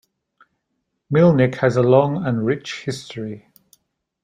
Mielnik has a long and rich history.